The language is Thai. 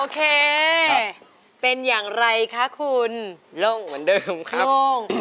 ร้องไปกับสายน้ำง